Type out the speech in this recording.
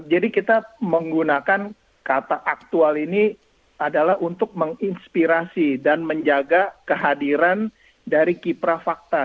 jadi kita menggunakan kata aktual ini adalah untuk menginspirasi dan menjaga kehadiran dari kiprah fakta